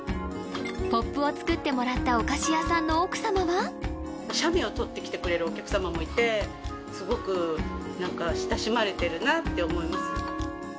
ポップを作ってもらったお菓子屋さんの奥様は写メを撮ってきてくれるお客様もいてすごく何か親しまれてるなって思いますね